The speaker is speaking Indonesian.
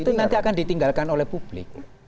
itu nanti akan ditinggalkan oleh publik